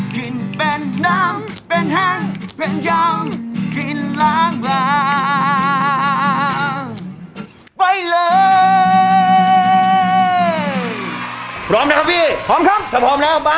กินเป็นน้ำเป็นแห่งเป็นยำ